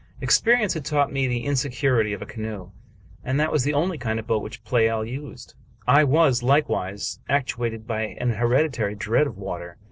Experience had taught me the insecurity of a canoe, and that was the only kind of boat which Pleyel used ; I was, likewise, actuated by an hereditary dread of water.